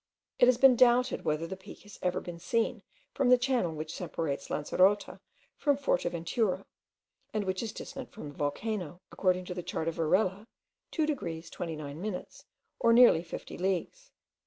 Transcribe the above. It has been doubted whether the peak has ever been seen from the channel which separates Lancerota from Forteventura, and which is distant from the volcano, according to the chart of Varela, 2 degrees 29 minutes, or nearly 50 leagues.